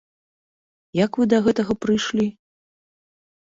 Як вы да гэтага прыйшлі?